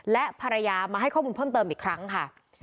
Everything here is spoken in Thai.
และภรรยามาให้ข้อมูลเพิ่มเติมอีกครั้งค่ะ